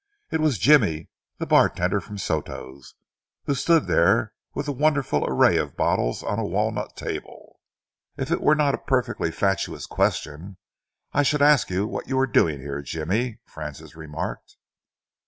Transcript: It was Jimmy, the bartender from Soto's, who stood there with a wonderful array of bottles on a walnut table. "If it were not a perfectly fatuous question, I should ask what you were doing here, Jimmy?" Francis remarked.